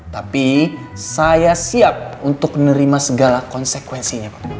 tapi saya siap untuk menerima segala konsekuensinya pak